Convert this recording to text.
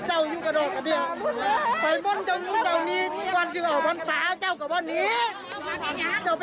แล้วเรากลับมาเอาตอนเช้า